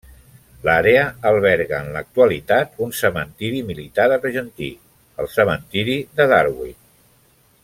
L'àrea alberga en l'actualitat un cementeri militar argentí, el cementeri de Darwin.